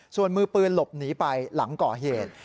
ส่วนมือปืนหลบหนีไปหลังก่อเหตุ